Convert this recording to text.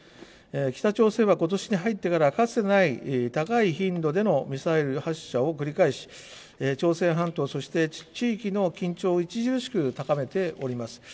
北朝鮮はことしに入ってから、かつてない高い頻度でのミサイル発射を繰り返し、朝鮮半島、そして地域の緊張を著しく高めております。